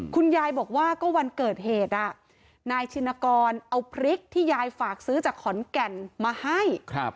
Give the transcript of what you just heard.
คุณยายบอกว่าก็วันเกิดเหตุนายชินกรเอาพริกที่ยายฝากซื้อจากขอนแก่นมาให้